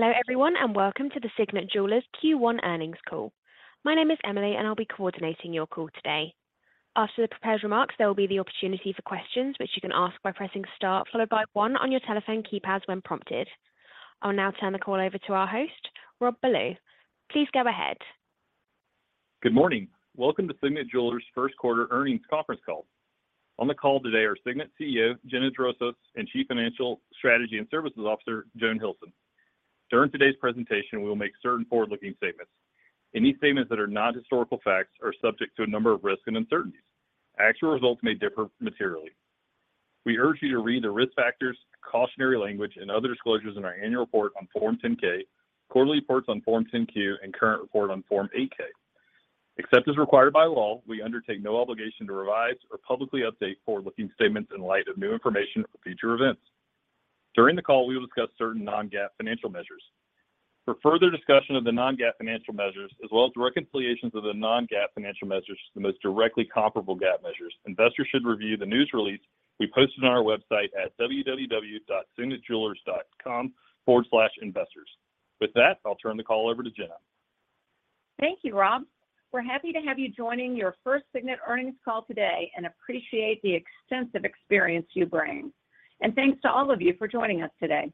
Hello everyone, welcome to the Signet Jewelers Q1 earnings call. My name is Emily, I'll be coordinating your call today. After the prepared remarks, there will be the opportunity for questions, which you can ask by pressing star followed by one on your telephone keypads when prompted. I'll now turn the call over to our host, Rob Ballew. Please go ahead. Good morning. Welcome to Signet Jewelers first quarter earnings conference call. On the call today are Signet CEO, Gina Drosos, and Chief Financial, Strategy and Services Officer, Joan Hilson. During today's presentation, we will make certain forward-looking statements. Any statements that are not historical facts are subject to a number of risks and uncertainties. Actual results may differ materially. We urge you to read the risk factors, cautionary language, and other disclosures in our annual report on Form 10-K, quarterly reports on Form 10-Q, and current report on Form 8-K. Except as required by law, we undertake no obligation to revise or publicly update forward-looking statements in light of new information or future events. During the call, we will discuss certain non-GAAP financial measures. For further discussion of the non-GAAP financial measures, as well as reconciliations of the non-GAAP financial measures to the most directly comparable GAAP measures, investors should review the news release we posted on our website at www.signetjewelers.com/investors. With that, I'll turn the call over to Gina. Thank you, Rob. We're happy to have you joining your first Signet earnings call today and appreciate the extensive experience you bring. Thanks to all of you for joining us today.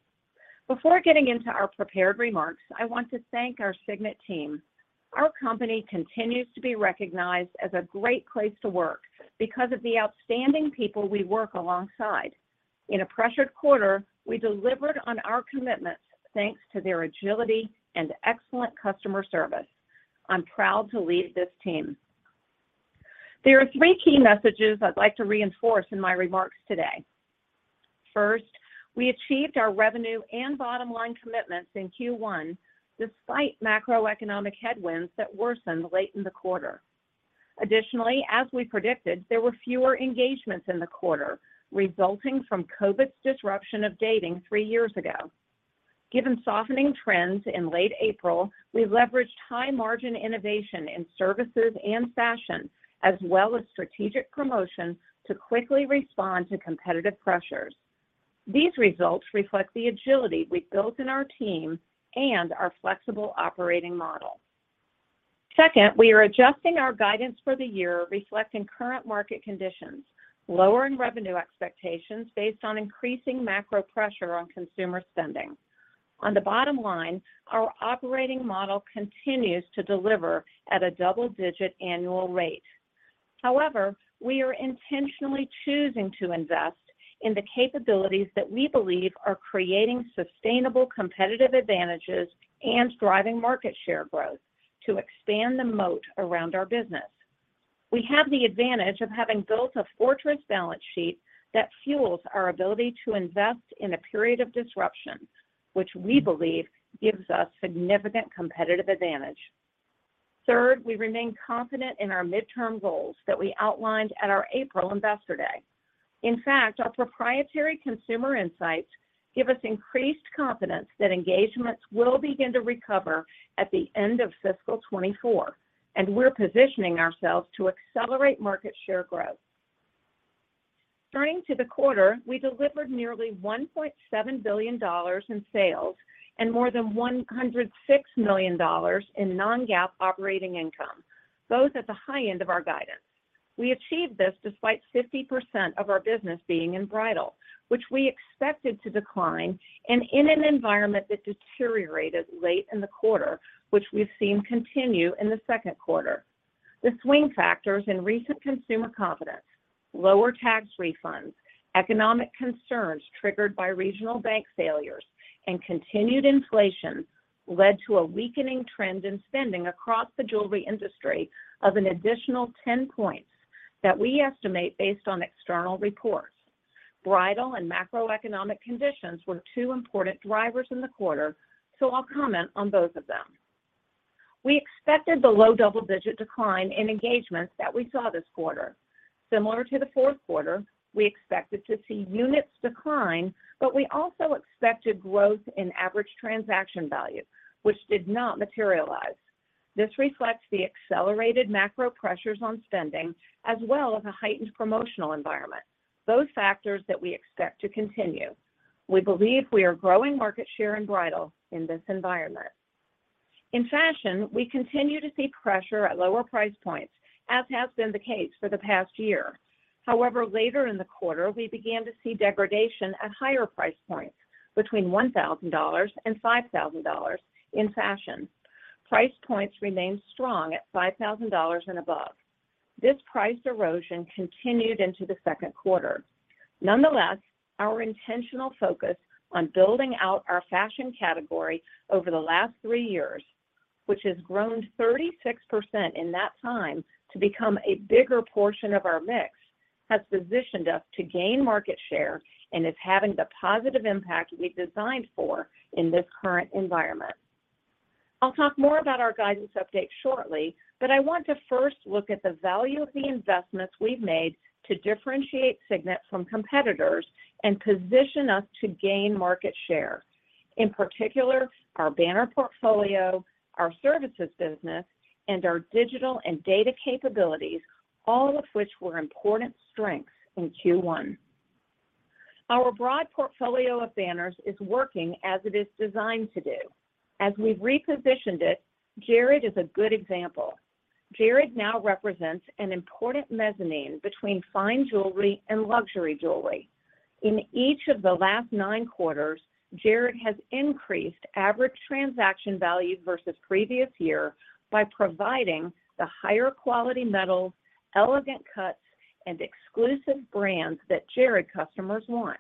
Before getting into our prepared remarks, I want to thank our Signet team. Our company continues to be recognized as a great place to work because of the outstanding people we work alongside. In a pressured quarter, we delivered on our commitments, thanks to their agility and excellent customer service. I'm proud to lead this team. There are three key messages I'd like to reinforce in my remarks today. First, we achieved our revenue and bottom-line commitments in Q1 despite macroeconomic headwinds that worsened late in the quarter. Additionally, as we predicted, there were fewer engagements in the quarter, resulting from COVID's disruption of dating 3 years ago. Given softening trends in late April, we leveraged high-margin innovation in services and fashion, as well as strategic promotions, to quickly respond to competitive pressures. These results reflect the agility we've built in our team and our flexible operating model. Second, we are adjusting our guidance for the year, reflecting current market conditions, lowering revenue expectations based on increasing macro pressure on consumer spending. On the bottom line, our operating model continues to deliver at a double-digit annual rate. However, we are intentionally choosing to invest in the capabilities that we believe are creating sustainable competitive advantages and driving market share growth to expand the moat around our business. We have the advantage of having built a fortress balance sheet that fuels our ability to invest in a period of disruption, which we believe gives us significant competitive advantage. Third, we remain confident in our midterm goals that we outlined at our April Investor Day. In fact, our proprietary consumer insights give us increased confidence that engagements will begin to recover at the end of fiscal 2024, and we're positioning ourselves to accelerate market share growth. Turning to the quarter, we delivered nearly $1.7 billion in sales and more than $106 million in non-GAAP operating income, both at the high end of our guidance. We achieved this despite 50% of our business being in bridal, which we expected to decline, and in an environment that deteriorated late in the quarter, which we've seen continue in the second quarter. The swing factors in recent consumer confidence, lower tax refunds, economic concerns triggered by regional bank failures, and continued inflation led to a weakening trend in spending across the jewelry industry of an additional 10 points that we estimate based on external reports. Bridal and macroeconomic conditions were two important drivers in the quarter, so I'll comment on both of them. We expected the low double-digit decline in engagements that we saw this quarter. Similar to the fourth quarter, we expected to see units decline, but we also expected growth in Average Transaction Value, which did not materialize. This reflects the accelerated macro pressures on spending, as well as a heightened promotional environment, both factors that we expect to continue. We believe we are growing market share in bridal in this environment. In fashion, we continue to see pressure at lower price points, as has been the case for the past year. Later in the quarter, we began to see degradation at higher price points, between $1,000 and $5,000 in fashion. Price points remained strong at $5,000 and above. This price erosion continued into the second quarter. Our intentional focus on building out our fashion category over the last 3 years, which has grown 36% in that time to become a bigger portion of our mix, has positioned us to gain market share and is having the positive impact we designed for in this current environment. I'll talk more about our guidance update shortly, but I want to first look at the value of the investments we've made to differentiate Signet from competitors and position us to gain market share. In particular, our banner portfolio, our services business, and our digital and data capabilities, all of which were important strengths in Q1. Our broad portfolio of banners is working as it is designed to do. As we've repositioned it, Jared is a good example. Jared now represents an important mezzanine between fine jewelry and luxury jewelry. In each of the last nine quarters, Jared has increased average transaction value versus previous year by providing the higher quality metals, elegant cuts, and exclusive brands that Jared customers want.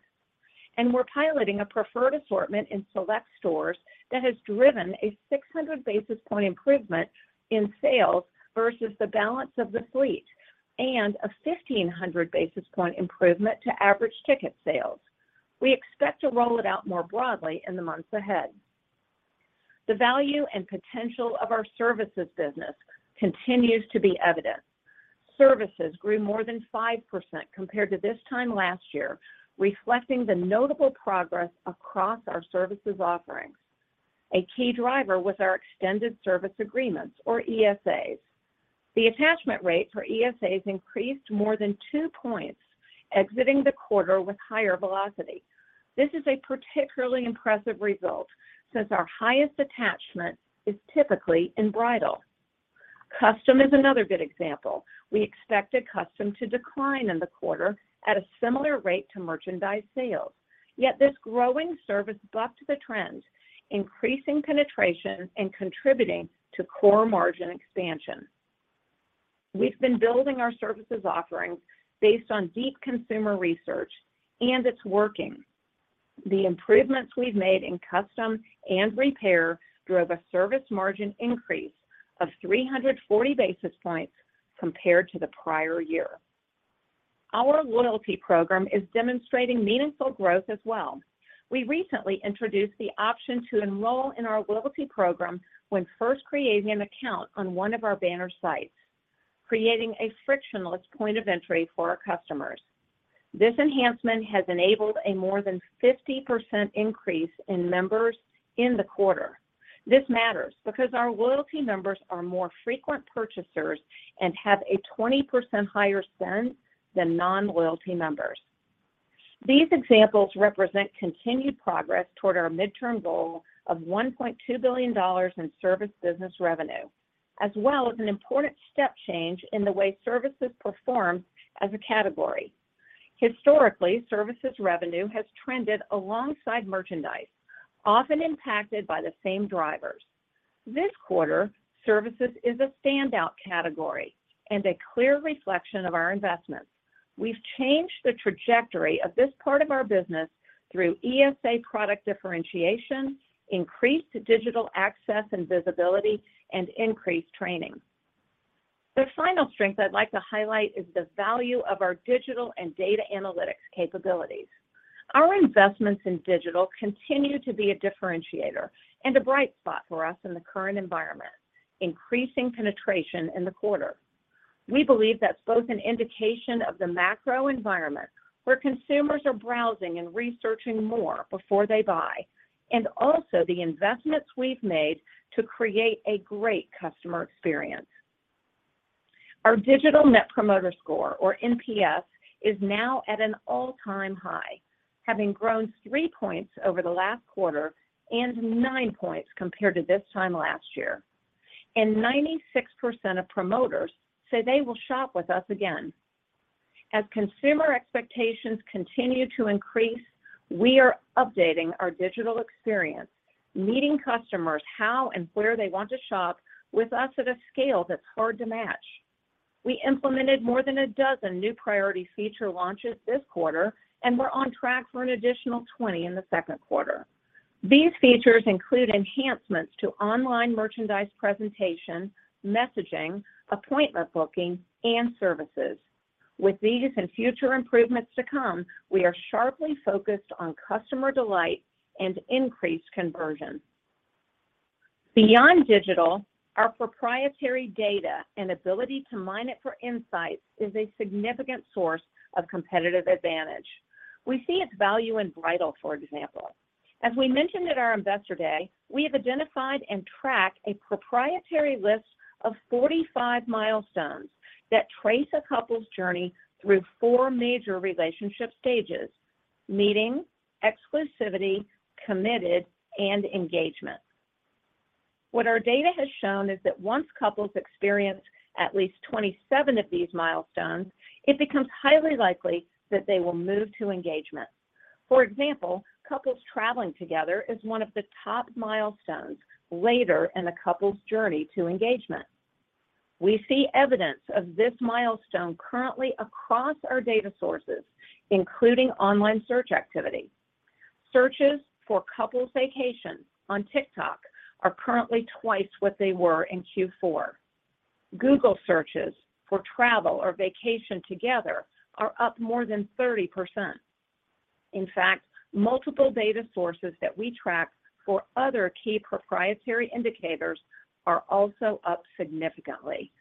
We're piloting a preferred assortment in select stores that has driven a 600 basis point improvement in sales versus the balance of the fleet, and a 1,500 basis point improvement to average ticket sales. We expect to roll it out more broadly in the months ahead. The value and potential of our services business continues to be evident. Services grew more than 5% compared to this time last year, reflecting the notable progress across our services offerings. A key driver was our extended service agreements or ESAs. The attachment rate for ESAs increased more than two points, exiting the quarter with higher velocity. This is a particularly impressive result since our highest attachment is typically in bridal. Custom is another good example. We expected custom to decline in the quarter at a similar rate to merchandise sales. Yet this growing service bucked the trend, increasing penetration and contributing to core margin expansion. We've been building our services offerings based on deep consumer research, and it's working. The improvements we've made in custom and repair drove a service margin increase of 340 basis points compared to the prior year. Our loyalty program is demonstrating meaningful growth as well. We recently introduced the option to enroll in our loyalty program when first creating an account on one of our banner sites, creating a frictionless point of entry for our customers. This enhancement has enabled a more than 50% increase in members in the quarter. This matters because our loyalty members are more frequent purchasers and have a 20% higher spend than non-loyalty members. These examples represent continued progress toward our midterm goal of $1.2 billion in service business revenue, as well as an important step change in the way services perform as a category. Historically, services revenue has trended alongside merchandise, often impacted by the same drivers. This quarter, services is a standout category and a clear reflection of our investments. We've changed the trajectory of this part of our business through ESA product differentiation, increased digital access and visibility, and increased training. The final strength I'd like to highlight is the value of our digital and data analytics capabilities. Our investments in digital continue to be a differentiator and a bright spot for us in the current environment, increasing penetration in the quarter. We believe that's both an indication of the macro environment, where consumers are browsing and researching more before they buy, and also the investments we've made to create a great customer experience. Our digital Net Promoter Score, or NPS, is now at an all-time high, having grown 3 points over the last quarter and 9 points compared to this time last year, and 96% of promoters say they will shop with us again. As consumer expectations continue to increase, we are updating our digital experience, meeting customers how and where they want to shop with us at a scale that's hard to match. We implemented more than 12 new priority feature launches this quarter, and we're on track for an additional 20 in the second quarter. These features include enhancements to online merchandise presentation, messaging, appointment booking, and services. With these and future improvements to come, we are sharply focused on customer delight and increased conversion. Beyond digital, our proprietary data and ability to mine it for insights is a significant source of competitive advantage. We see its value in bridal, for example. As we mentioned at our Investor Day, we have identified and tracked a proprietary list of 45 milestones that trace a couple's journey through four major relationship stages: meeting, exclusivity, committed, and engagement. What our data has shown is that once couples experience at least 27 of these milestones, it becomes highly likely that they will move to engagement. For example, couples traveling together is one of the top milestones later in a couple's journey to engagement. We see evidence of this milestone currently across our data sources, including online search activity. Searches for couples vacations on TikTok are currently twice what they were in Q4. Google searches for travel or vacation together are up more than 30%. Multiple data sources that we track for other key proprietary indicators are also up significantly.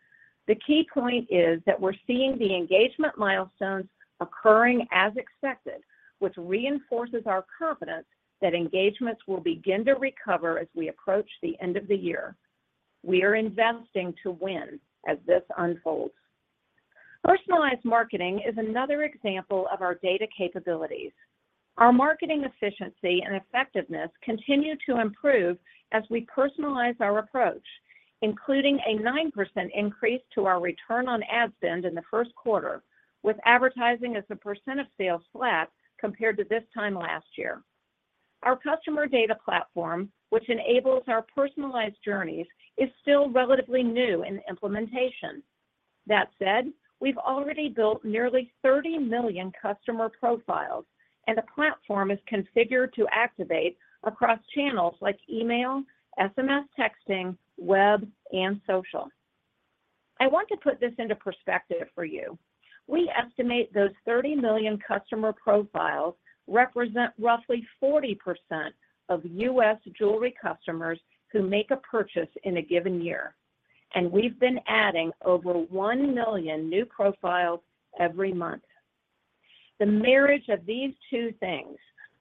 The key point is that we're seeing the engagement milestones occurring as expected, which reinforces our confidence that engagements will begin to recover as we approach the end of the year. We are investing to win as this unfolds. Personalized marketing is another example of our data capabilities. Our marketing efficiency and effectiveness continue to improve as we personalize our approach, including a 9% increase to our return on ad spend in the first quarter, with advertising as a percent of sales flat compared to this time last year. Our customer data platform, which enables our personalized journeys, is still relatively new in implementation. That said, we've already built nearly 30 million customer profiles, and the platform is configured to activate across channels like email, SMS texting, web, and social. I want to put this into perspective for you. We estimate those 30 million customer profiles represent roughly 40% of U.S. jewelry customers who make a purchase in a given year, and we've been adding over 1 million new profiles every month. The marriage of these two things,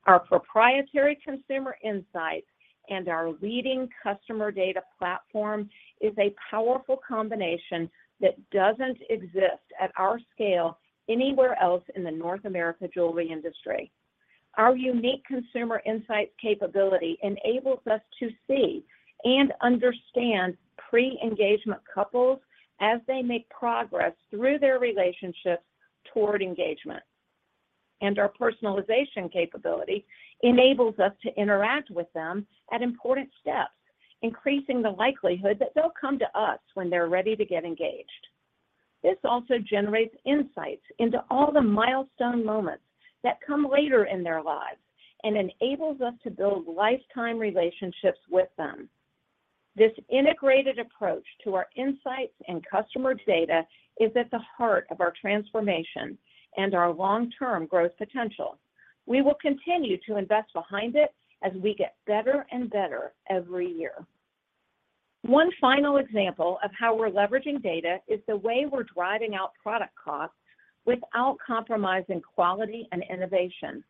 our proprietary consumer insights and our leading customer data platform, is a powerful combination that doesn't exist at our scale anywhere else in the North America jewelry industry. Our unique consumer insights capability enables us to see and understand pre-engagement couples as they make progress through their relationships toward engagement. Our personalization capability enables us to interact with them at important steps, increasing the likelihood that they'll come to us when they're ready to get engaged. This also generates insights into all the milestone moments that come later in their lives and enables us to build lifetime relationships with them. This integrated approach to our insights and customer data is at the heart of our transformation and our long-term growth potential. We will continue to invest behind it as we get better and better every year. One final example of how we're leveraging data is the way we're driving out product costs without compromising quality and innovation.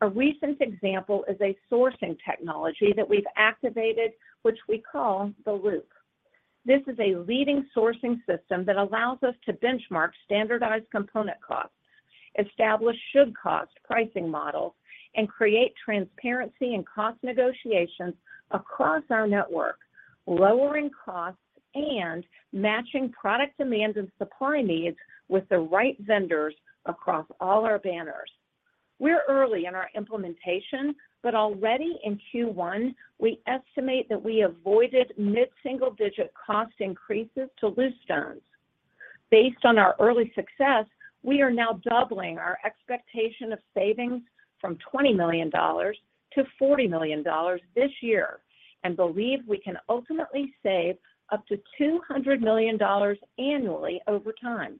A recent example is a sourcing technology that we've activated, which we call The Loop. This is a leading sourcing system that allows us to benchmark standardized component costs, establish should-cost pricing models, and create transparency in cost negotiations across our network, lowering costs and matching product demands and supply needs with the right vendors across all our banners. We're early in our implementation, but already in Q1, we estimate that we avoided mid-single-digit cost increases to loose stones. Based on our early success, we are now doubling our expectation of savings from $20 million to $40 million this year, and believe we can ultimately save up to $200 million annually over time.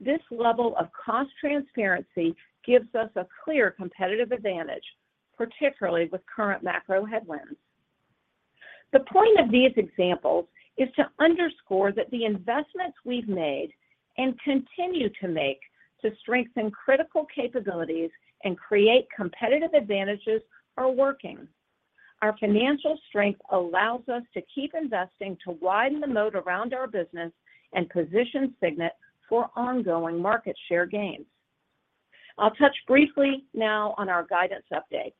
This level of cost transparency gives us a clear competitive advantage, particularly with current macro headwinds. The point of these examples is to underscore that the investments we've made and continue to make to strengthen critical capabilities and create competitive advantages are working. Our financial strength allows us to keep investing to widen the moat around our business and position Signet for ongoing market share gains. I'll touch briefly now on our guidance update.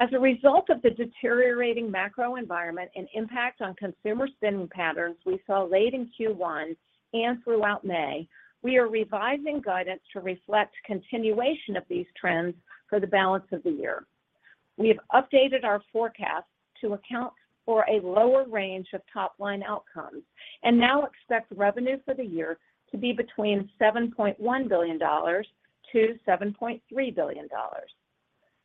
As a result of the deteriorating macro environment and impact on consumer spending patterns we saw late in Q1 and throughout May, we are revising guidance to reflect continuation of these trends for the balance of the year. We have updated our forecast to account for a lower range of top-line outcomes and now expect revenue for the year to be between $7.1 billion-$7.3 billion.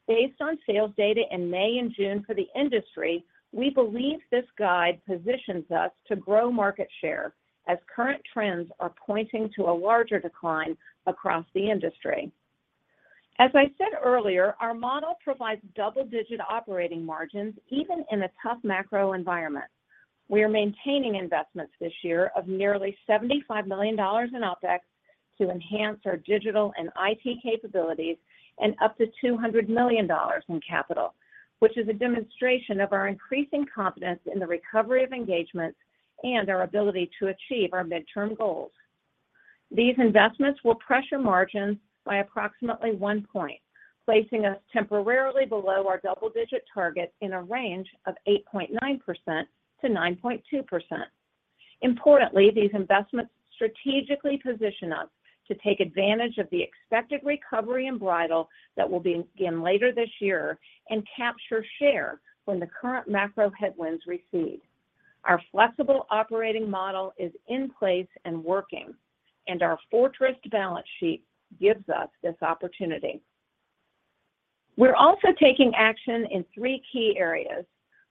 Based on sales data in May and June for the industry, we believe this guide positions us to grow market share as current trends are pointing to a larger decline across the industry. As I said earlier, our model provides double-digit operating margins, even in a tough macro environment. We are maintaining investments this year of nearly $75 million in OpEx to enhance our digital and IT capabilities and up to $200 million in capital, which is a demonstration of our increasing confidence in the recovery of engagements and our ability to achieve our midterm goals. These investments will pressure margins by approximately 1 point, placing us temporarily below our double-digit target in a range of 8.9%-9.2%. Importantly, these investments strategically position us to take advantage of the expected recovery in bridal that will begin later this year and capture share when the current macro headwinds recede. Our flexible operating model is in place and working, and our fortress balance sheet gives us this opportunity. We're also taking action in three key areas.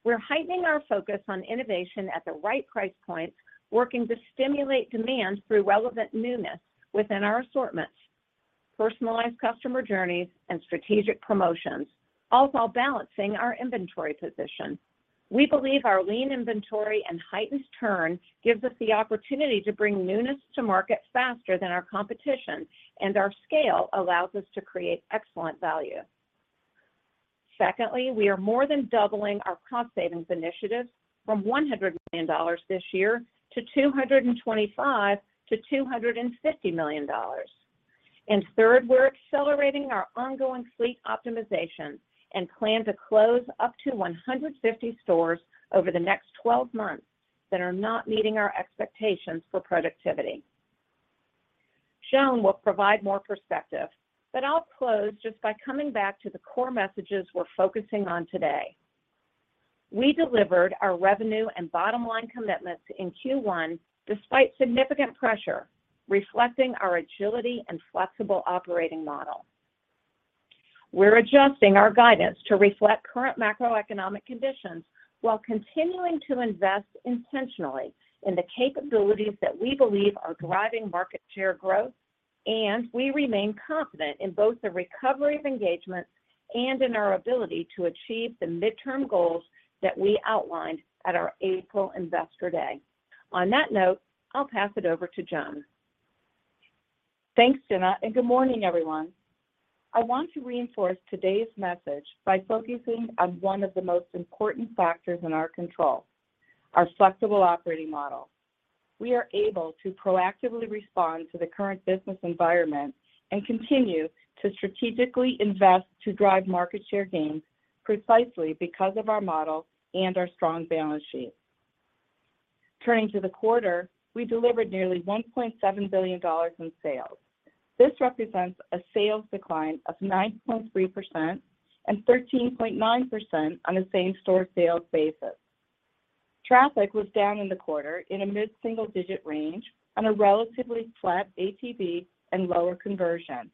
We're heightening our focus on innovation at the right price points, working to stimulate demand through relevant newness within our assortments, personalized customer journeys, and strategic promotions, all while balancing our inventory position. We believe our lean inventory and heightened turn gives us the opportunity to bring newness to market faster than our competition, and our scale allows us to create excellent value. Secondly, we are more than doubling our cost savings initiatives from $100 million this year to $225 million-$250 million. Third, we're accelerating our ongoing fleet optimization and plan to close up to 150 stores over the next 12 months that are not meeting our expectations for productivity. Joan Hilson will provide more perspective, but I'll close just by coming back to the core messages we're focusing on today. We delivered our revenue and bottom-line commitments in Q1 despite significant pressure, reflecting our agility and flexible operating model. We're adjusting our guidance to reflect current macroeconomic conditions while continuing to invest intentionally in the capabilities that we believe are driving market share growth, and we remain confident in both the recovery of engagement and in our ability to achieve the midterm goals that we outlined at our April Investor Day. That note, I'll pass it over to Joan Hilson. Thanks, Gina, and good morning, everyone. I want to reinforce today's message by focusing on one of the most important factors in our control, our flexible operating model. We are able to proactively respond to the current business environment and continue to strategically invest to drive market share gains, precisely because of our model and our strong balance sheet. Turning to the quarter, we delivered nearly $1.7 billion in sales. This represents a sales decline of 9.3% and 13.9% on a same-store sales basis. Traffic was down in the quarter in a mid-single-digit range on a relatively flat ATV and lower conversion.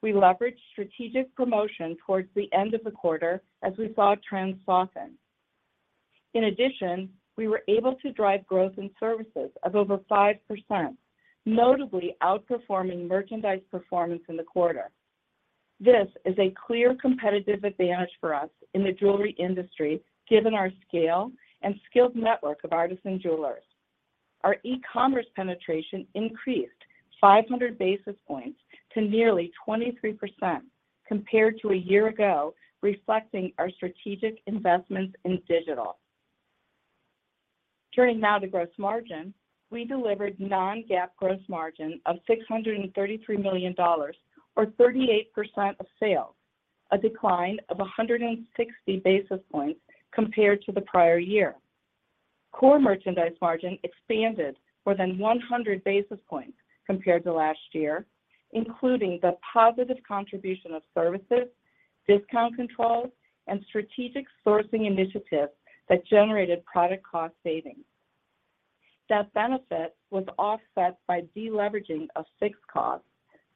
We leveraged strategic promotion towards the end of the quarter as we saw trends soften. In addition, we were able to drive growth in services of over 5%, notably outperforming merchandise performance in the quarter. This is a clear competitive advantage for us in the jewelry industry, given our scale and skilled network of artisan jewelers. Our e-commerce penetration increased 500 basis points to nearly 23% compared to a year ago, reflecting our strategic investments in digital. Turning now to gross margin, we delivered non-GAAP gross margin of $633 million or 38% of sales, a decline of 160 basis points compared to the prior year. Core merchandise margin expanded more than 100 basis points compared to last year, including the positive contribution of services, discount controls, and strategic sourcing initiatives that generated product cost savings. That benefit was offset by deleveraging of fixed costs,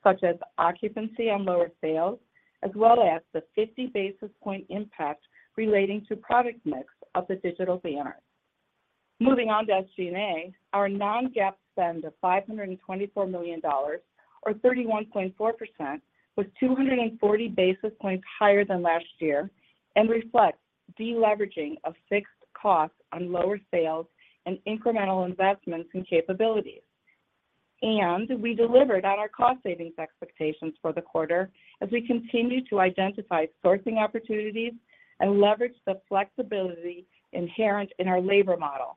such as occupancy on lower sales, as well as the 50 basis point impact relating to product mix of the digital banner. Moving on to SG&A, our non-GAAP spend of $524 million or 31.4% was 240 basis points higher than last year and reflects deleveraging of fixed costs on lower sales and incremental investments in capabilities. We delivered on our cost savings expectations for the quarter as we continue to identify sourcing opportunities and leverage the flexibility inherent in our labor model.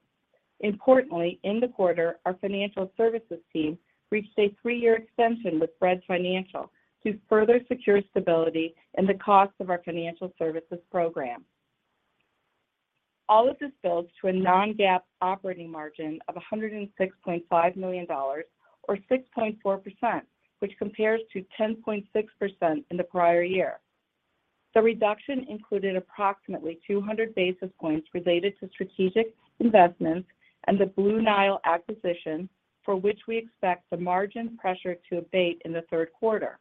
Importantly, in the quarter, our financial services team reached a 3-year extension with Bread Financial to further secure stability in the cost of our financial services program. All of this builds to a non-GAAP operating margin of $106.5 million or 6.4%, which compares to 10.6% in the prior year. The reduction included approximately 200 basis points related to strategic investments and the Blue Nile acquisition, for which we expect the margin pressure to abate in the third quarter.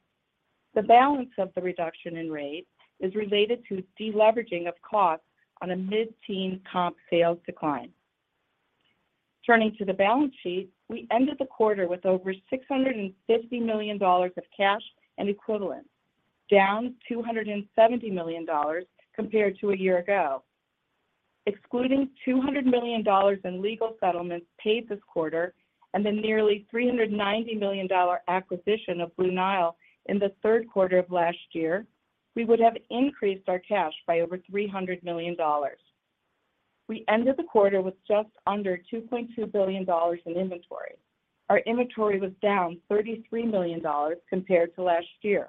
The balance of the reduction in rate is related to deleveraging of costs on a mid-teen comp sales decline. Turning to the balance sheet, we ended the quarter with over $650 million of cash and equivalents, down $270 million compared to a year ago. Excluding $200 million in legal settlements paid this quarter and the nearly $390 million acquisition of Blue Nile in the third quarter of last year, we would have increased our cash by over $300 million. We ended the quarter with just under $2.2 billion in inventory. Our inventory was down $33 million compared to last year.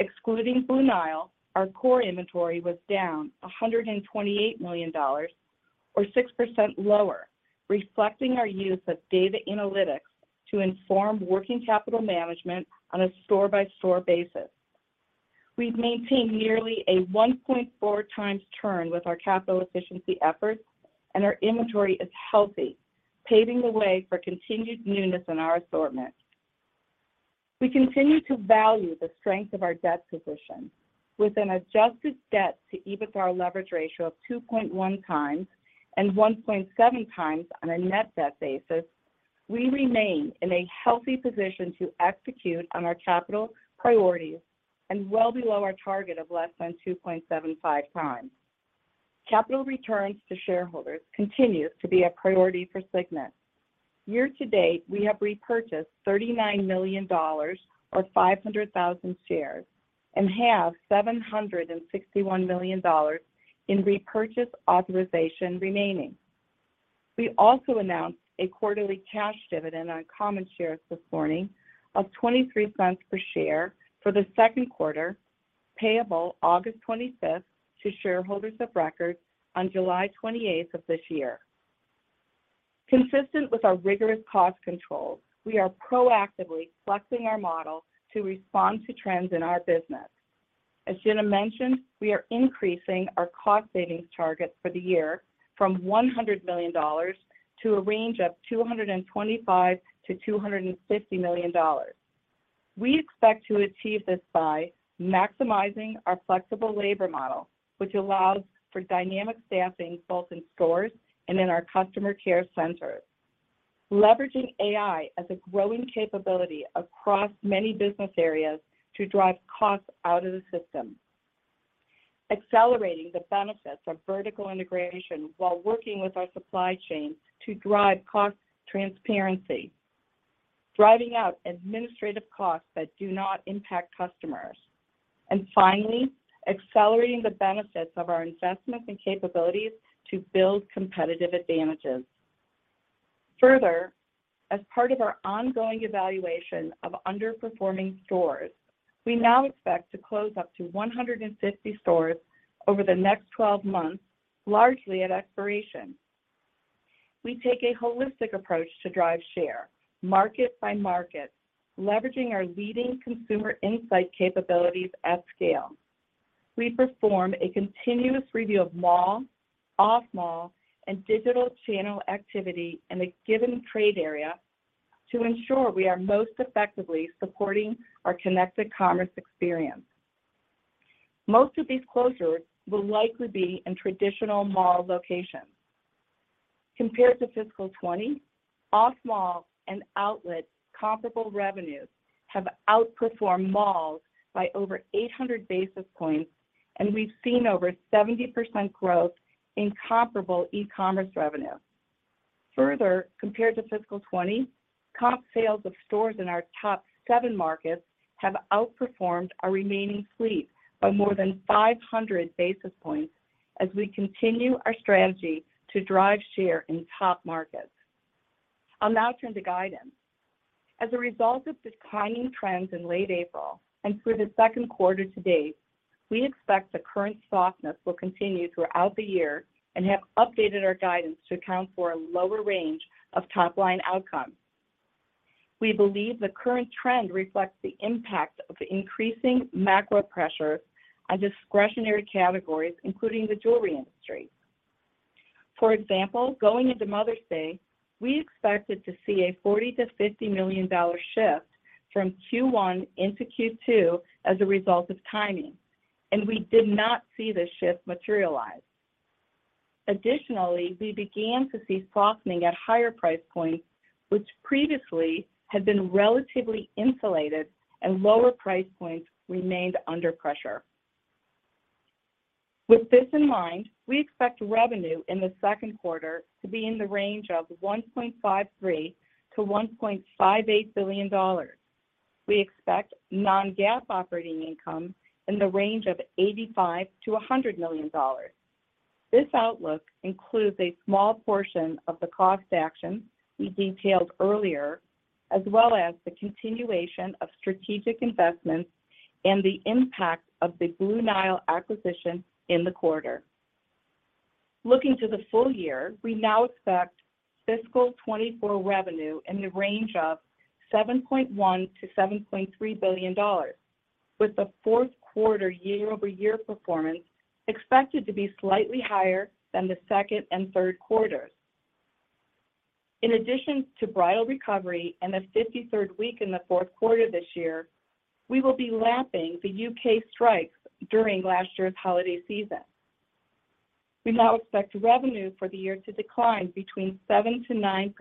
Excluding Blue Nile, our core inventory was down $128 million or 6% lower, reflecting our use of data analytics to inform working capital management on a store-by-store basis. We've maintained nearly a 1.4x turn with our capital efficiency efforts, and our inventory is healthy, paving the way for continued newness in our assortment. We continue to value the strength of our debt position with an adjusted debt to EBITDA leverage ratio of 2.1x and 1.7x on a net debt basis. We remain in a healthy position to execute on our capital priorities and well below our target of less than 2.75x. Capital returns to shareholders continues to be a priority for Signet. Year to date, we have repurchased $39 million or 500,000 shares, and have $761 million in repurchase authorization remaining. We also announced a quarterly cash dividend on common shares this morning of $0.23 per share for the second quarter, payable August 25th, to shareholders of record on July 28th of this year. Consistent with our rigorous cost controls, we are proactively flexing our model to respond to trends in our business. As Gina mentioned, we are increasing our cost savings targets for the year from $100 million to a range of $225 million-$250 million. We expect to achieve this by maximizing our flexible labor model, which allows for dynamic staffing both in stores and in our customer care centers. Leveraging AI as a growing capability across many business areas to drive costs out of the system. Accelerating the benefits of vertical integration while working with our supply chain to drive cost transparency. Driving out administrative costs that do not impact customers. Finally, accelerating the benefits of our investments and capabilities to build competitive advantages. Further, as part of our ongoing evaluation of underperforming stores, we now expect to close up to 150 stores over the next 12 months, largely at expiration. We take a holistic approach to drive share, market by market, leveraging our leading consumer insight capabilities at scale. We perform a continuous review of mall, off-mall, and digital channel activity in a given trade area to ensure we are most effectively supporting our Connected Commerce experience. Most of these closures will likely be in traditional mall locations. Compared to fiscal 20, off-mall and outlet comparable revenues have outperformed malls by over 800 basis points, and we've seen over 70% growth in comparable e-commerce revenue. Further, compared to fiscal 20, comp sales of stores in our top 7 markets have outperformed our remaining fleet by more than 500 basis points as we continue our strategy to drive share in top markets. I'll now turn to guidance. As a result of declining trends in late April and through the second quarter to date, we expect the current softness will continue throughout the year and have updated our guidance to account for a lower range of top-line outcomes. We believe the current trend reflects the impact of increasing macro pressures on discretionary categories, including the jewelry industry. For example, going into Mother's Day, we expected to see a $40 million-$50 million shift from Q1 into Q2 as a result of timing, and we did not see this shift materialize. We began to see softening at higher price points, which previously had been relatively insulated and lower price points remained under pressure. With this in mind, we expect revenue in the second quarter to be in the range of $1.53 billion-$1.58 billion. We expect non-GAAP operating income in the range of $85 million-$100 million. This outlook includes a small portion of the cost actions we detailed earlier, as well as the continuation of strategic investments and the impact of the Blue Nile acquisition in the quarter. Looking to the full year, we now expect fiscal 2024 revenue in the range of $7.1 billion-$7.3 billion, with the fourth quarter year-over-year performance expected to be slightly higher than the second and third quarters. In addition to bridal recovery and the 53rd week in the fourth quarter this year, we will be lapping the U.K. strikes during last year's holiday season. We now expect revenue for the year to decline between 7%-9%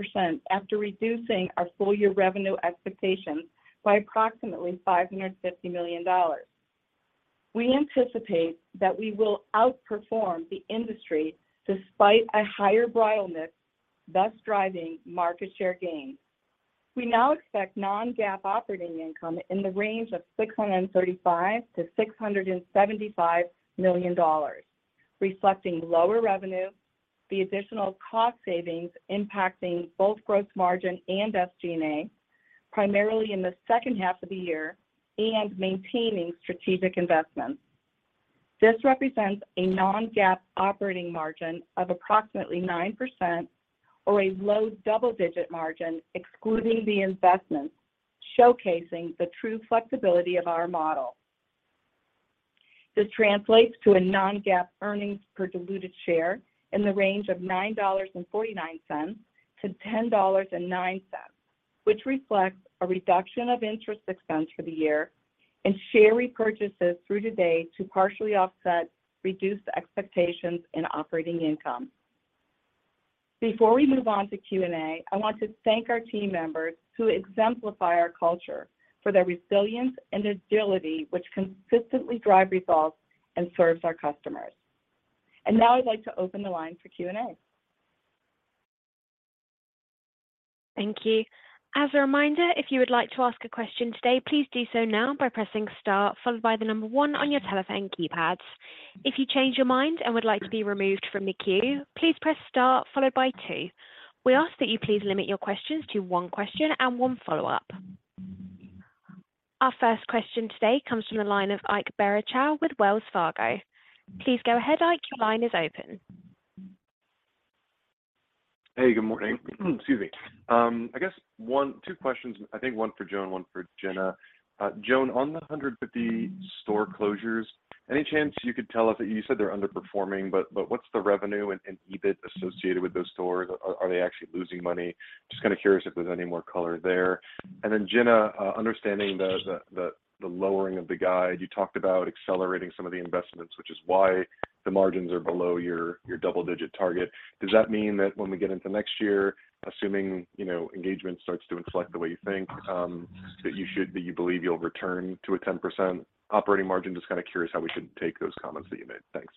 after reducing our full-year revenue expectations by approximately $550 million. We anticipate that we will outperform the industry despite a higher bridal mix, thus driving market share gains. We now expect non-GAAP operating income in the range of $635 million-$675 million, reflecting lower revenue, the additional cost savings impacting both gross margin and SG&A, primarily in the second half of the year, and maintaining strategic investments. This represents a non-GAAP operating margin of approximately 9% or a low double-digit margin, excluding the investments, showcasing the true flexibility of our model. This translates to a non-GAAP earnings per diluted share in the range of $9.49-$10.09, which reflects a reduction of interest expense for the year and share repurchases through to date to partially offset reduced expectations in operating income. Before we move on to Q&A, I want to thank our team members who exemplify our culture for their resilience and agility, which consistently drive results and serves our customers. Now I'd like to open the line for Q&A. Thank you. As a reminder, if you would like to ask a question today, please do so now by pressing star, followed by 1 on your telephone keypads. If you change your mind and would like to be removed from the queue, please press star followed by two. We ask that you please limit your questions to one question and one follow-up. Our first question today comes from the line of Ike Boruchow with Wells Fargo. Please go ahead, Ike. Your line is open. Hey, good morning. Excuse me. I guess two questions, I think one for Joan, one for Gina. Joan, on the 150 store closures, any chance you could tell us, you said they're underperforming, but what's the revenue and EBIT associated with those stores are they actually losing money? Just kind of curious if there's any more color there. Gina, understanding the lowering of the guide, you talked about accelerating some of the investments, which is why the margins are below your double-digit target. Does that mean that when we get into next year, assuming, you know, engagement starts to inflect the way you think, that you believe you'll return to a 10% operating margin? Just kind of curious how we should take those comments that you made. Thanks.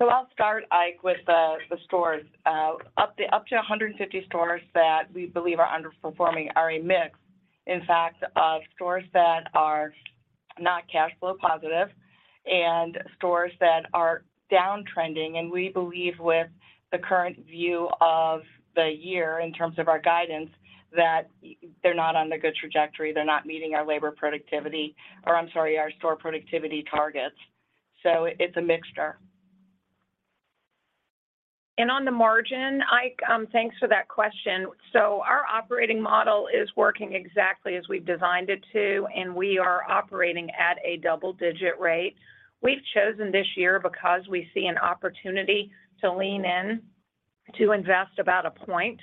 I'll start, Ike, with the stores. Up to 150 stores that we believe are underperforming are a mix, in fact, of stores that are not cash flow positive and stores that are downtrending, and we believe with the current view of the year in terms of our guidance, that they're not on the good trajectory, they're not meeting our labor productivity, or I'm sorry, our store productivity targets. It's a mixture. On the margin, Ike, thanks for that question. Our operating model is working exactly as we've designed it to, and we are operating at a double-digit rate. We've chosen this year because we see an opportunity to lean in, to invest about a point,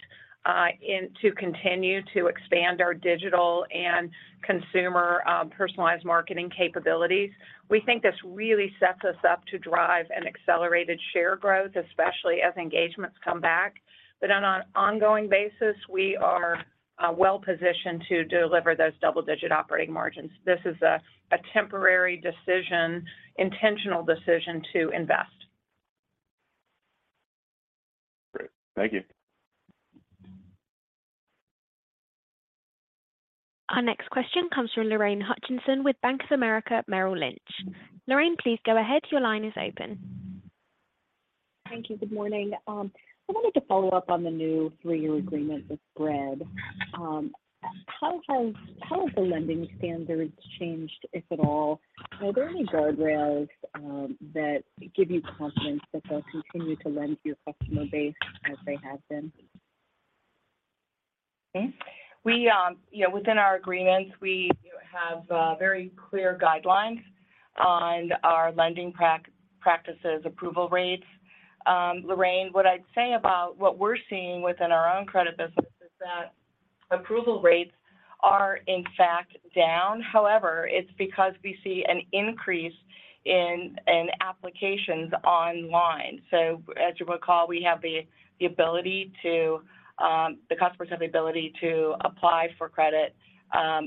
and to continue to expand our digital and consumer personalized marketing capabilities. We think this really sets us up to drive an accelerated share growth, especially as engagements come back. On an ongoing basis, we are well positioned to deliver those double-digit operating margins. This is a temporary decision, intentional decision to invest. Great. Thank you. Our next question comes from Lorraine Hutchinson with Bank of America Merrill Lynch. Lorraine, please go ahead. Your line is open. Thank you. Good morning. I wanted to follow up on the new three-year agreement with Bread. How have the lending standards changed, if at all? Are there any guardrails that give you confidence that they'll continue to lend to your customer base as they have been? Okay. We, you know, within our agreements, we, you know, have very clear guidelines on our lending practices, approval rates. Lorraine, what I'd say about what we're seeing within our own credit business is that approval rates are, in fact, down. However, it's because we see an increase in applications online. As you recall, we have the ability to, the customers have the ability to apply for credit,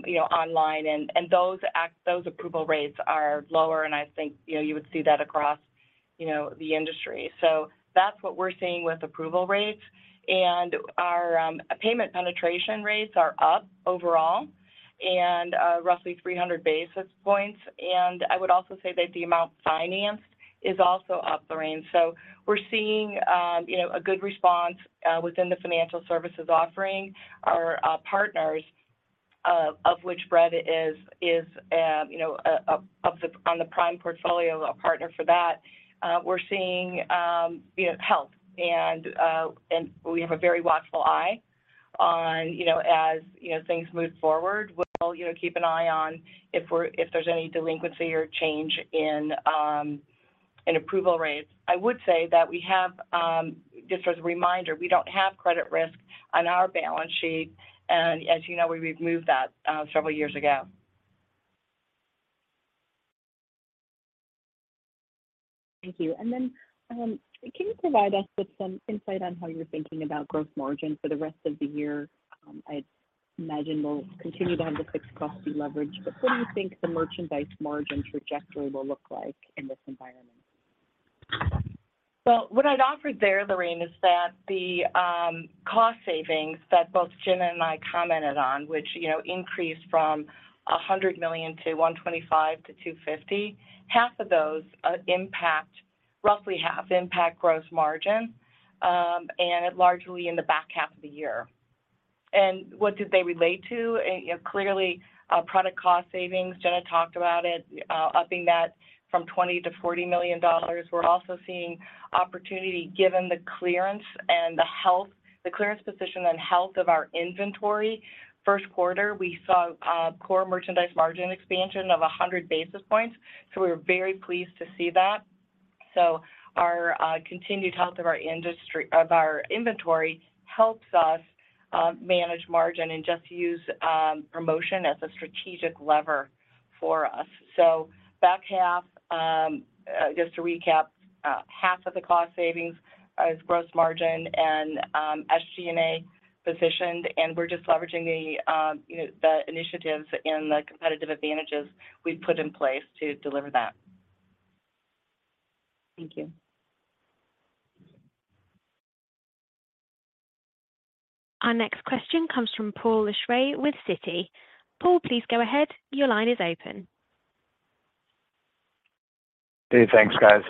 you know, online, and those approval rates are lower, and I think, you know, you would see that across, you know, the industry. That's what we're seeing with approval rates. Our payment penetration rates are up overall and roughly 300 basis points. I would also say that the amount financed is also up, Lorraine. We're seeing, you know, a good response within the financial services offering. Our partners, of which Bread is, you know, on the Prime portfolio, a partner for that, we're seeing, you know, health and we have a very watchful eye on, you know, as, you know, things move forward. We'll, you know, keep an eye on if there's any delinquency or change in approval rates. I would say that we have, just as a reminder, we don't have credit risk on our balance sheet, and as you know, we removed that several years ago. Thank you. Can you provide us with some insight on how you're thinking about gross margin for the rest of the year? I'd imagine we'll continue to have the fixed cost de-leverage, but what do you think the merchandise margin trajectory will look like in this environment? Well, what I'd offer there, Lorraine, is that the cost savings that both Gina and I commented on, which, you know, increased from $100 million to $125 to $250, half of those impact, roughly half impact gross margin, and largely in the back half of the year. What do they relate to, clearly, product cost savings. Gina talked about it, upping that from $20 million to $40 million. We're also seeing opportunity given the clearance position and health of our inventory. First quarter, we saw core merchandise margin expansion of 100 basis points, we were very pleased to see that. Our continued health of our industry, of our inventory helps us manage margin and just use promotion as a strategic lever for us. Back half, just to recap, half of the cost savings as gross margin and SG&A positioned, and we're just leveraging the, you know, the initiatives and the competitive advantages we've put in place to deliver that. Thank you. Our next question comes from Paul Lejuez with Citi. Paul, please go ahead. Your line is open. Hey, thanks, guys.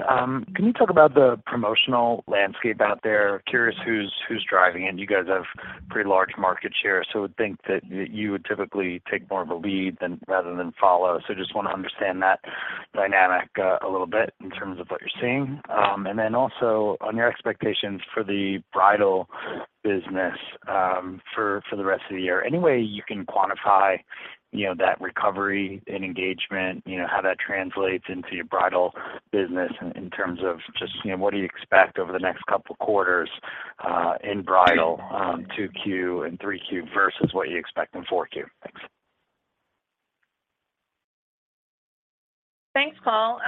Can you talk about the promotional landscape out there? Curious who's driving, and you guys have pretty large market share, so would think that you would typically take more of a lead than, rather than follow. Just want to understand that dynamic a little bit in terms of what you're seeing. Also on your expectations for the bridal business for the rest of the year. Any way you can quantify, you know, that recovery in engagement, you know, how that translates into your bridal business in terms of just, you know, what do you expect over the next couple of quarters in bridal, 2Q and 3Q, versus what you expect in 4Q? Thanks. Thanks, Paul.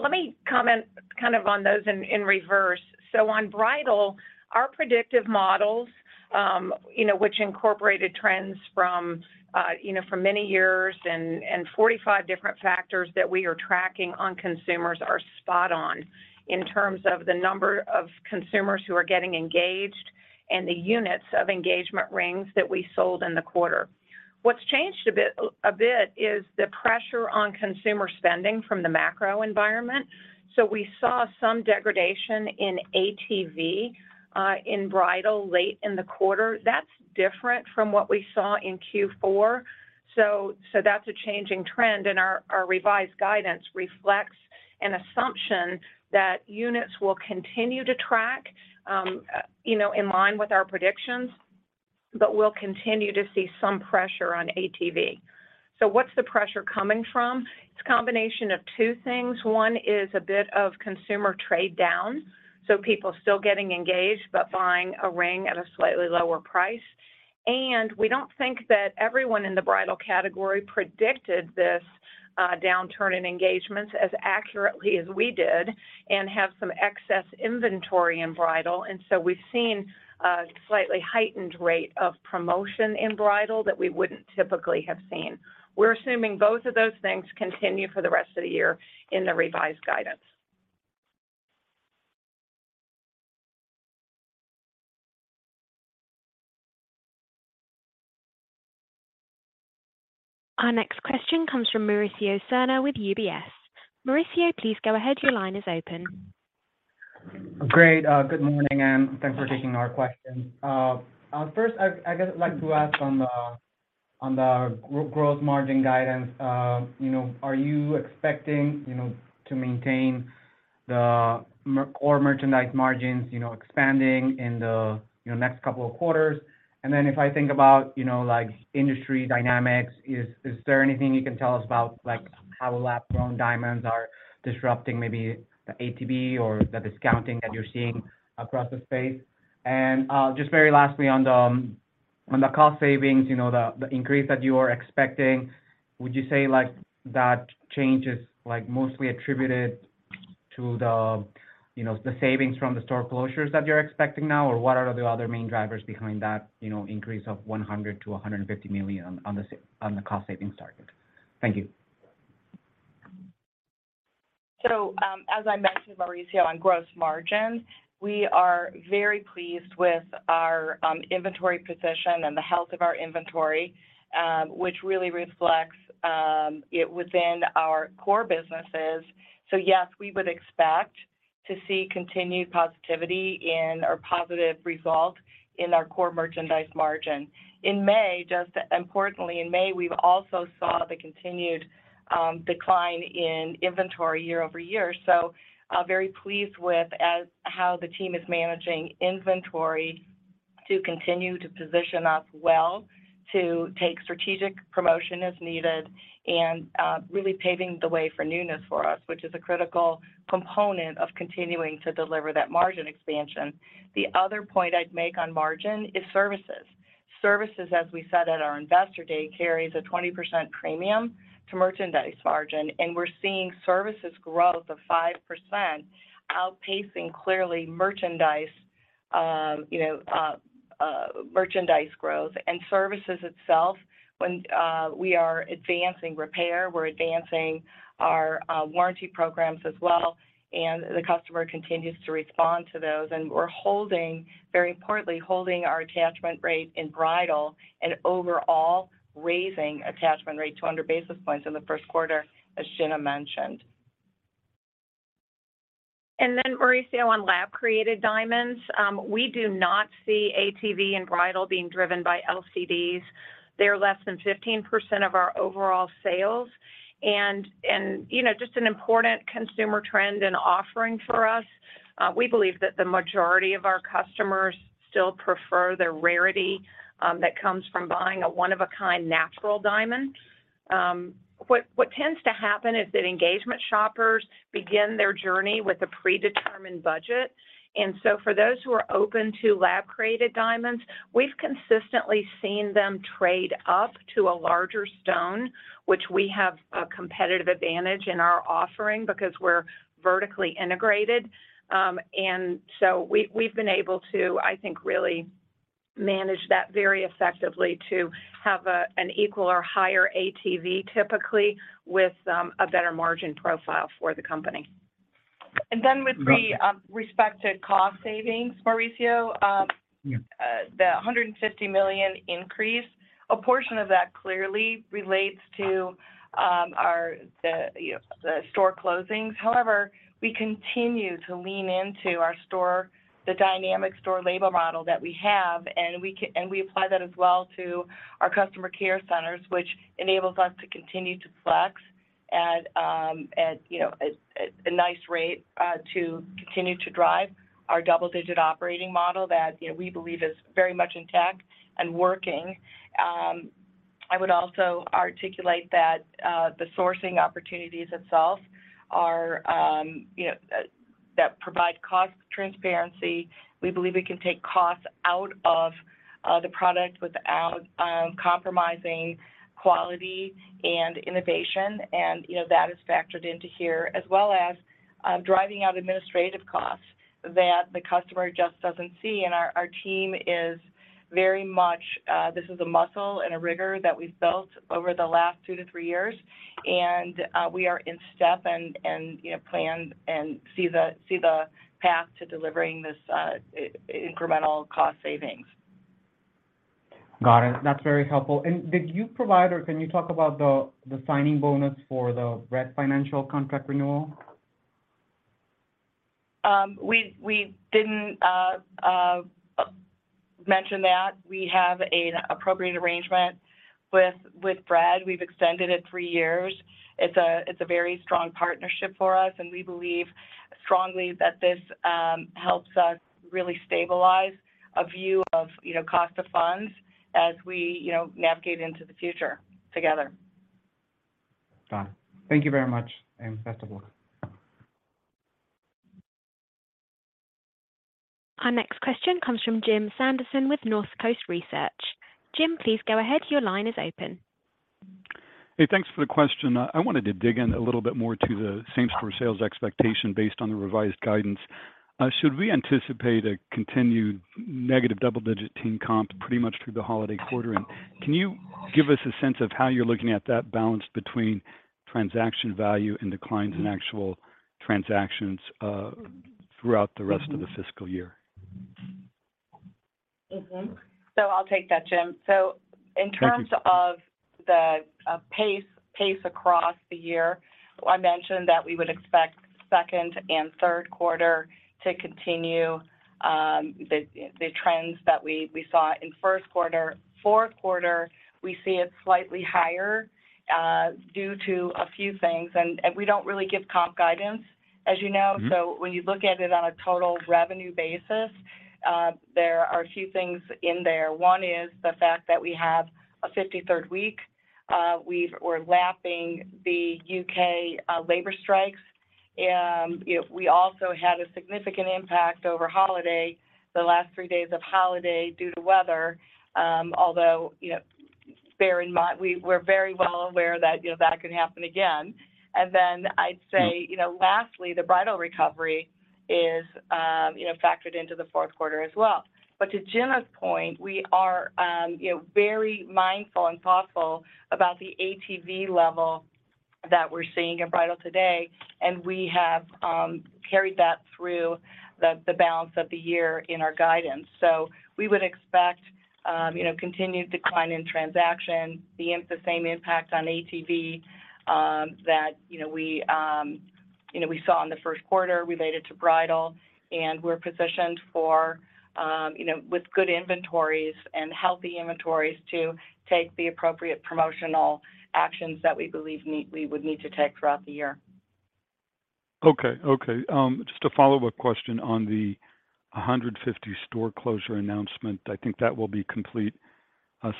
Let me comment kind of on those in reverse. On bridal, our predictive models, you know, which incorporated trends from, you know, from many years and 45 different factors that we are tracking on consumers are spot on in terms of the number of consumers who are getting engaged and the units of engagement rings that we sold in the quarter. What's changed a bit is the pressure on consumer spending from the macro environment. We saw some degradation in ATV, in bridal late in the quarter. That's different from what we saw in Q4. That's a changing trend, and our revised guidance reflects an assumption that units will continue to track, you know, in line with our predictions, but we'll continue to see some pressure on ATV. What's the pressure coming from? It's a combination of two things. One is a bit of consumer trade down, so people still getting engaged, but buying a ring at a slightly lower price. We don't think that everyone in the bridal category predicted this downturn in engagements as accurately as we did and have some excess inventory in bridal. We've seen a slightly heightened rate of promotion in bridal that we wouldn't typically have seen. We're assuming both of those things continue for the rest of the year in the revised guidance. Our next question comes from Mauricio Serna with UBS. Mauricio, please go ahead. Your line is open. Great. Good morning, thanks for taking our questions. First, I guess I'd like to ask on the gross margin guidance, you know, are you expecting, you know, to maintain the core merchandise margins, you know, expanding in the, you know, next couple of quarters? If I think about, you know, like, industry dynamics, is there anything you can tell us about, like, how lab-grown diamonds are disrupting maybe the ATV or the discounting that you're seeing across the space? Just very lastly, on the cost savings, you know, the increase that you are expecting, would you say, like, that change is, like, mostly attributed to the, you know, the savings from the store closures that you're expecting now? What are the other main drivers behind that, you know, increase of $100 million-$150 million on the cost savings target? Thank you. As I mentioned, Mauricio, on gross margin, we are very pleased with our inventory position and the health of our inventory, which really reflects it within our core businesses. Yes, we would expect to see continued positivity in, or positive result in our core merchandise margin. In May, just importantly, in May, we've also saw the continued decline in inventory year-over-year. Very pleased with how the team is managing inventory to continue to position us well, to take strategic promotion as needed and really paving the way for newness for us, which is a critical component of continuing to deliver that margin expansion. The other point I'd make on margin is services. Services, as we said at our Investor Day, carries a 20% premium to merchandise margin, we're seeing services growth of 5%, outpacing clearly merchandise, you know, merchandise growth. Services itself, when we are advancing repair, we're advancing our warranty programs as well, and the customer continues to respond to those. We're holding, very importantly, holding our attachment rate in bridal and overall raising attachment rate 200 basis points in the first quarter, as Gina mentioned. Mauricio, on lab-created diamonds, we do not see ATV and bridal being driven by LCDs. They're less than 15% of our overall sales and, you know, just an important consumer trend and offering for us. We believe that the majority of our customers still prefer the rarity that comes from buying a one-of-a-kind natural diamond. what tends to happen is that engagement shoppers begin their journey with a predetermined budget. For those who are open to lab-created diamonds, we've consistently seen them trade up to a larger stone, which we have a competitive advantage in our offering because we're vertically integrated. We've been able to, I think, really manage that very effectively to have a, an equal or higher ATV, typically with a better margin profile for the company. With the respected cost savings, Mauricio. Yeah. The $150 million increase, a portion of that clearly relates to, you know, the store closings. However, we continue to lean into our store, the dynamic store label model that we have, and we apply that as well to our customer care centers, which enables us to continue to flex at, you know, a nice rate, to continue to drive our double-digit operating model that, you know, we believe is very much intact and working. I would also articulate that the sourcing opportunities itself are, you know, that provide cost transparency. We believe we can take costs out of the product without compromising quality and innovation, and, you know, that is factored into here, as well as driving out administrative costs that the customer just doesn't see. Our team is very much this is a muscle and a rigor that we've built over the last 2-3 years, and we are in step and, you know, planned and see the path to delivering this incremental cost savings. Got it. That's very helpful. Did you provide, or can you talk about the signing bonus for the Bread Financial contract renewal? We, we didn't mention that. We have an appropriate arrangement with Bread. We've extended it three years. It's a very strong partnership for us. We believe strongly that this helps us really stabilize a view of, you know, cost of funds as we, you know, navigate into the future together. Got it. Thank you very much, and best of luck. Our next question comes from Jim Sanderson with Northcoast Research. Jim, please go ahead. Your line is open. Hey, thanks for the question. I wanted to dig in a little bit more to the same-store sales expectation based on the revised guidance. Should we anticipate a continued negative double-digit teen comp pretty much through the holiday quarter? Can you give us a sense of how you're looking at that balance between transaction value and declines in actual transactions throughout the rest of the fiscal year? I'll take that, Jim. In terms of the pace across the year, I mentioned that we would expect second and third quarter to continue, the trends that we saw in 1st quarter. Fourth quarter, we see it slightly higher, due to a few things. We don't really give comp guidance, as you know. Mm-hmm. When you look at it on a total revenue basis, there are a few things in there. One is the fact that we have a 53rd week. We're lapping the U.K., labor strikes, and, you know, we also had a significant impact over holiday, the last three days of holiday due to weather. Although, you know, bear in mind, we're very well aware that, you know, that can happen again. I'd say, you know, lastly, the bridal recovery is, you know, factored into the fourth quarter as well. To Jim's point, we are, you know, very mindful and thoughtful about the ATV level that we're seeing in bridal today, and we have carried that through the balance of the year in our guidance. We would expect, you know, continued decline in transaction, the same impact on ATV, that, you know, we, you know, we saw in the first quarter related to bridal. We're positioned for, you know, with good inventories and healthy inventories to take the appropriate promotional actions that we believe we would need to take throughout the year. Okay. Okay, just a follow-up question on the 150 store closure announcement. I think that will be complete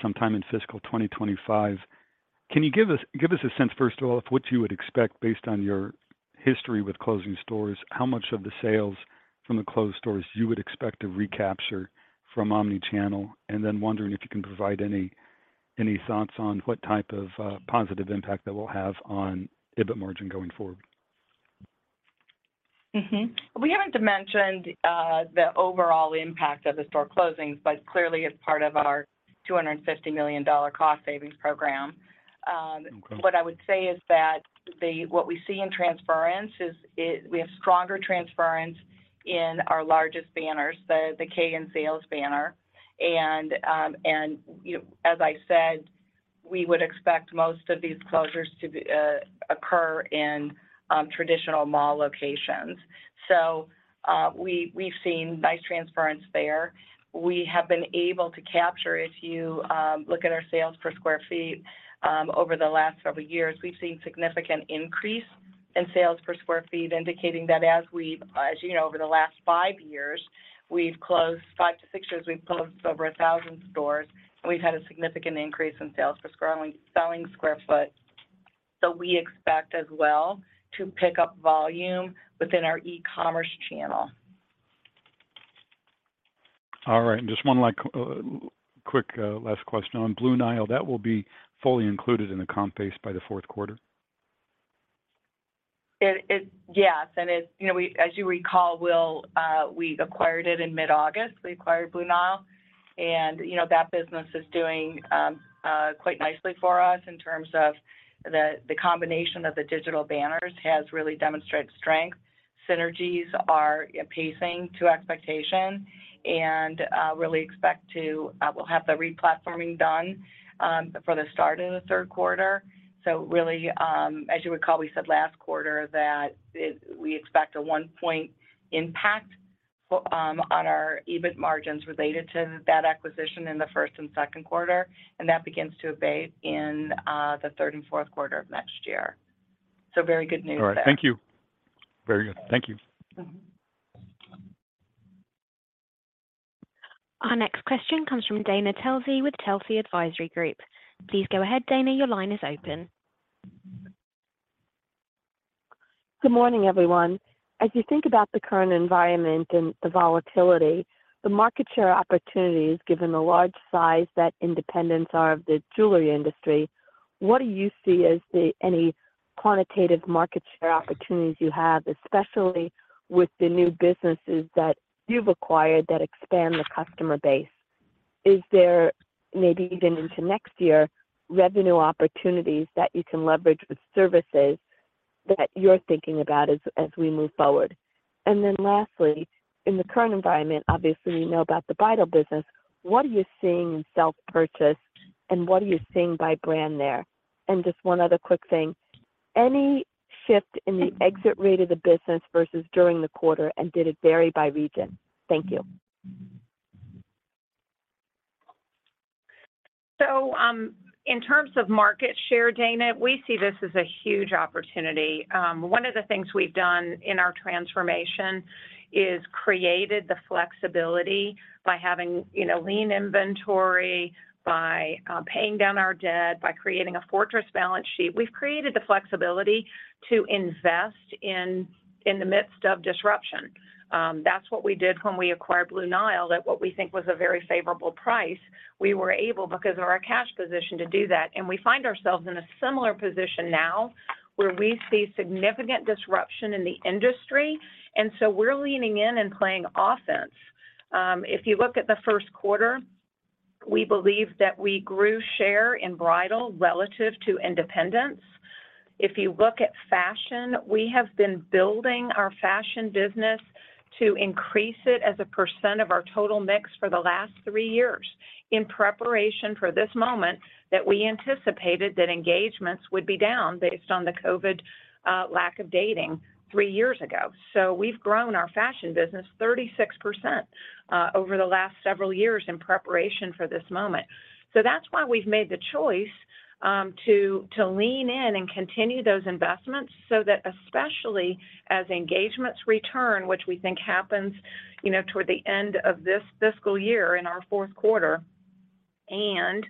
sometime in fiscal 2025. Can you give us a sense, first of all, of what you would expect based on your history with closing stores, how much of the sales from the closed stores you would expect to recapture from omnichannel? Wondering if you can provide any thoughts on what type of positive impact that will have on EBIT margin going forward. We haven't mentioned the overall impact of the store closings, but clearly it's part of our $250 million cost savings program. Okay. What I would say is that what we see in transference is we have stronger transference in our largest banners, the Kay and Zales banner. You know, as I said, we would expect most of these closures to be occur in traditional mall locations. We've seen nice transference there. We have been able to capture, if you look at our sales per square feet, over the last several years, we've seen significant increase and sales per square feet, indicating that as we've, as you know, over the last 5 years, we've closed 5 years to 6 years, we've closed over 1,000 stores, and we've had a significant increase in sales for scrolling, selling square foot. We expect as well to pick up volume within our e-commerce channel. All right. Just one last, quick, last question. On Blue Nile, that will be fully included in the comp base by the fourth quarter? It Yes, you know, we, as you recall, Will, we acquired it in mid-August. We acquired Blue Nile, you know, that business is doing quite nicely for us in terms of the combination of the digital banners has really demonstrated strength. Synergies are pacing to expectation really expect to we'll have the re-platforming done for the start of the third quarter. Really, as you recall, we said last quarter that it, we expect a 1-point impact on our EBIT margins related to that acquisition in the first and second quarter, that begins to abate in the third and fourth quarter of next year. Very good news there. All right. Thank you. Very good. Thank you. Our next question comes from Dana Telsey with Telsey Advisory Group. Please go ahead, Dana. Your line is open. Good morning, everyone. As you think about the current environment and the volatility, the market share opportunities, given the large size that independents are of the jewelry industry, what do you see as the, any quantitative market share opportunities you have, especially with the new businesses that you've acquired that expand the customer base? Is there, maybe even into next year, revenue opportunities that you can leverage with services that you're thinking about as we move forward? Then lastly, in the current environment, obviously, we know about the bridal business, what are you seeing in self-purchase, and what are you seeing by brand there? Just one other quick thing. Any shift in the exit rate of the business versus during the quarter, and did it vary by region? Thank you. In terms of market share, Dana, we see this as a huge opportunity. One of the things we've done in our transformation is created the flexibility by having, you know, lean inventory, by paying down our debt, by creating a fortress balance sheet. We've created the flexibility to invest in the midst of disruption. That's what we did when we acquired Blue Nile, at what we think was a very favorable price. We were able, because of our cash position, to do that, and we find ourselves in a similar position now, where we see significant disruption in the industry, and so we're leaning in and playing offense. If you look at the first quarter, we believe that we grew share in bridal relative to independents. If you look at fashion, we have been building our fashion business to increase it as a percent of our total mix for the last three years in preparation for this moment that we anticipated that engagements would be down based on the COVID lack of dating three years ago. We've grown our fashion business 36% over the last several years in preparation for this moment. That's why we've made the choice to lean in and continue those investments, so that especially as engagements return, which we think happens, you know, toward the end of this fiscal year in our fourth quarter, and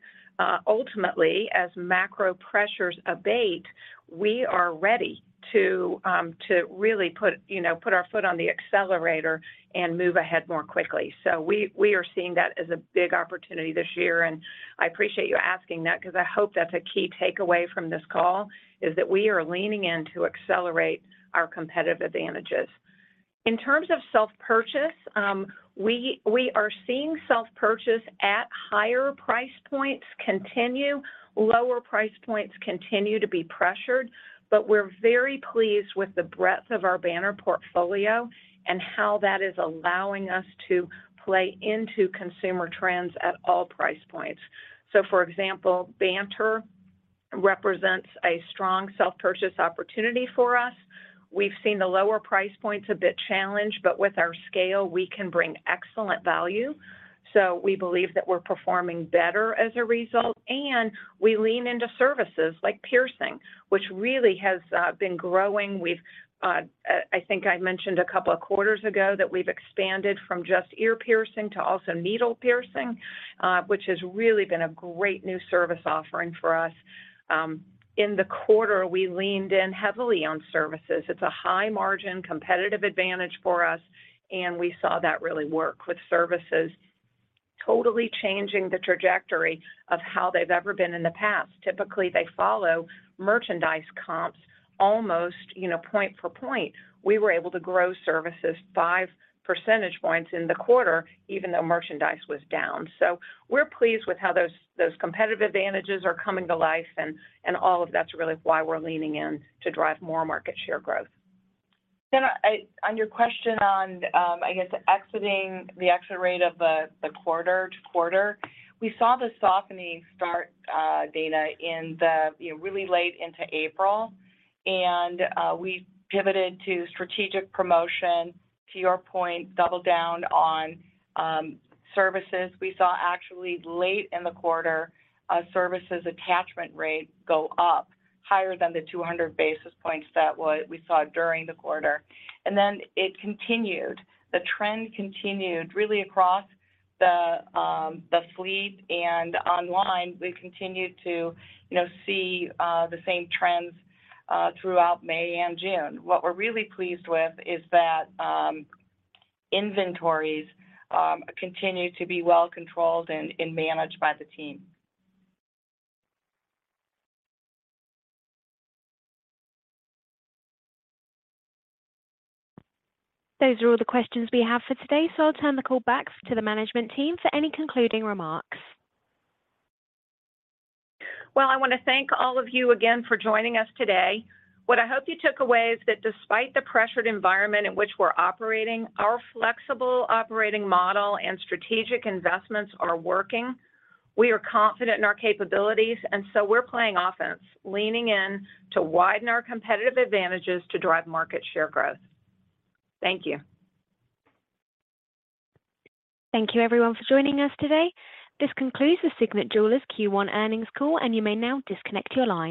ultimately, as macro pressures abate, we are ready to really put, you know, put our foot on the accelerator and move ahead more quickly. We are seeing that as a big opportunity this year, and I appreciate you asking that because I hope that's a key takeaway from this call, is that we are leaning in to accelerate our competitive advantages. In terms of self-purchase, we are seeing self-purchase at higher price points continue. Lower price points continue to be pressured, but we're very pleased with the breadth of our banner portfolio and how that is allowing us to play into consumer trends at all price points. For example, Banter represents a strong self-purchase opportunity for us. We've seen the lower price points a bit challenged, but with our scale, we can bring excellent value. We believe that we're performing better as a result, and we lean into services like piercing, which really has been growing. We've, I think I mentioned a couple of quarters ago that we've expanded from just ear piercing to also needle piercing, which has really been a great new service offering for us. In the quarter, we leaned in heavily on services. It's a high-margin competitive advantage for us, and we saw that really work with services, totally changing the trajectory of how they've ever been in the past. Typically, they follow merchandise comps almost, you know, point for point. We were able to grow services 5 percentage points in the quarter, even though merchandise was down. We're pleased with how those competitive advantages are coming to life, and all of that's really why we're leaning in to drive more market share growth. I on your question on, I guess exiting, the exit rate of the quarter to quarter, we saw the softening start, data in the, you know, really late into April, and we pivoted to strategic promotion, to your point, double down on services. We saw actually late in the quarter, a services attachment rate go up higher than the 200 basis points that we saw during the quarter. It continued. The trend continued really across the fleet and online. We continued to, you know, see, the same trends, throughout May and June. What we're really pleased with is that, inventories, continue to be well-controlled and managed by the team. Those are all the questions we have for today. I'll turn the call back to the management team for any concluding remarks. I want to thank all of you again for joining us today. What I hope you took away is that despite the pressured environment in which we're operating, our flexible operating model and strategic investments are working. We are confident in our capabilities, we're playing offense, leaning in to widen our competitive advantages to drive market share growth. Thank you. Thank you, everyone, for joining us today. This concludes the Signet Jewelers Q1 earnings call. You may now disconnect your lines.